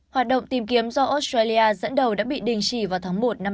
hoạt động tìm kiếm do australia dẫn đầu đã bị đình chỉ vào tháng một năm hai nghìn hai mươi